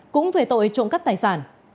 cũng về tội trộm cắt tài sản